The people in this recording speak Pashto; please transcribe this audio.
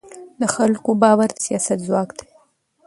د خلکو باور د سیاست ځواک دی